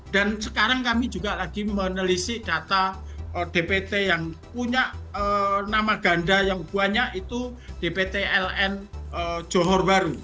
dan sekarang kami juga lagi menelisih data dpt yang punya nama ganda yang banyak itu dpt ln johor bahru